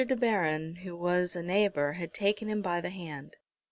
De Baron, who was a neighbour, had taken him by the hand.